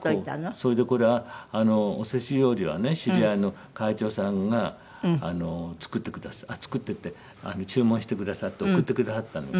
それでこれお節料理はね知り合いの会長さんが作って「作って」って注文してくださって送ってくださったのよ。